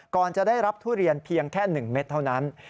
ก่อนจะได้รับทุเรียนเพียงแค่๑เม็ดเท่านั้น